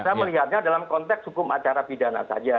saya melihatnya dalam konteks hukum acara pidana saja